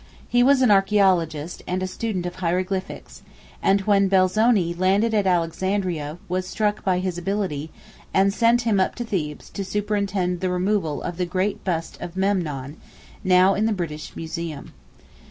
He was an archæologist and a student of hieroglyphics, and when Belzoni landed at Alexandria was struck by his ability, and sent him up to Thebes to superintend the removal of the great bust of Memnon, now in the British Museum.